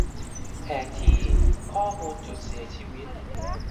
แผนที่ ข้อมูลจุดเสียชีวิต